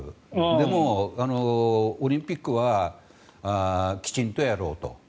でも、オリンピックはきちんとやろうと。